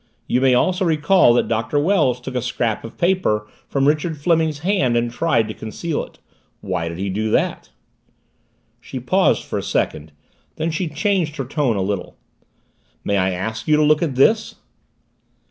You may also recall that Doctor Wells took a scrap of paper from Richard Fleming's hand and tried to conceal it why did he do that?" She paused for a second. Then she changed her tone a little. "May I ask you to look at this?"